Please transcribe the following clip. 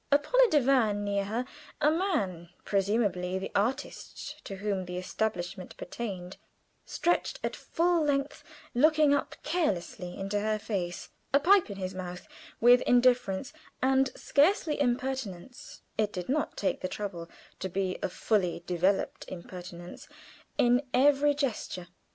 Upon a divan near her a man presumably the artist to whom the establishment pertained stretched at full length, looking up carelessly into her face, a pipe in his mouth, with indifference and scarcely impertinence it did not take the trouble to be a fully developed impertinence in every gesture.